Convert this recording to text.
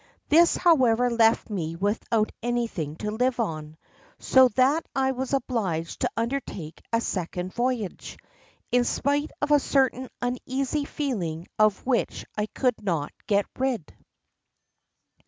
This, however, left me without anything to live on, so that I was obliged to undertake a second voyage, in spite of a certain uneasy feeling of which I could not get rid.